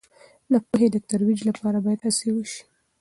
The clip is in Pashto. د پوهې د ترویج لپاره باید هڅې وسي.